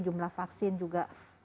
jumlah vaksin juga